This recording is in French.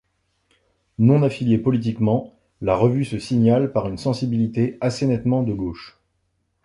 Non affiliée politiquement, la revue se signale par une sensibilité assez nettement de gauche.